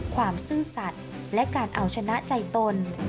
ซื่อสัตว์และการเอาชนะใจตน